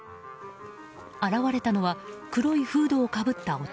現れたのは黒いフードをかぶった男。